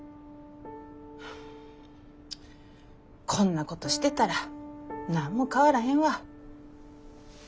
こんなことしてたら何も変わらへんわ。